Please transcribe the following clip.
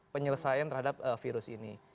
penyelesaian terhadap virus ini